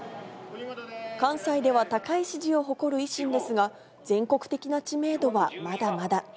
関西では高い支持を誇る維新ですが、全国的な知名度はまだまだ。